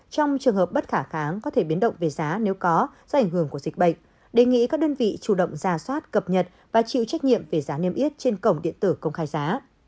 trong trường hợp bất khả kháng có thể biến động về giá nếu có do ảnh hưởng của dịch bệnh đề nghị các đơn vị chủ động ra soát cập nhật và chịu trách nhiệm về giá niêm yết trên cổng điện tử công khai giá